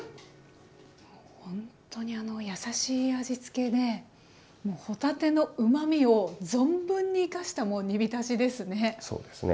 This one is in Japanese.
ほんとにあの優しい味付けで帆立てのうまみを存分に生かした煮びたしですね。